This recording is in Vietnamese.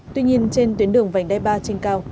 tuy nhiên trên tuyến đường vành đai ba trên cao